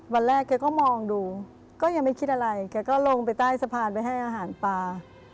วันแรกแกก็มองดูก็ยังไม่คิดอะไรแกก็ลงไปใต้สะพานไปให้อาหารปลา